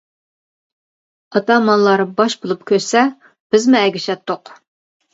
ئاتامانلار باش بولۇپ كۆچسە، بىزمۇ ئەگىشەتتۇق.